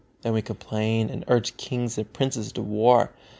Then we complain, and urge kings and princes to war.